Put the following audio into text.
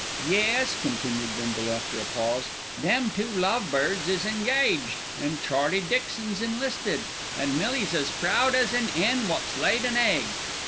"Yes," continued Bindle, after a pause, "them two love birds is engaged, and Charlie Dixon's enlisted, an' Millie's as proud as an 'en wot's laid an egg.